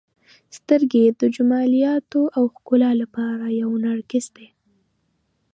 • سترګې د جمالیاتو او ښکلا لپاره یو نرګس دی.